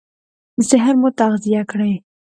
ذهن مو تغذيه کړئ!